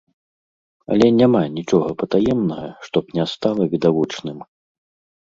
Але няма нічога патаемнага, што б не стала відавочным.